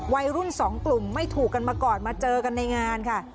วัยรุ่นสองกลุ่มไม่ถูกกันมาก่อนมาเจอกันในงานค่ะ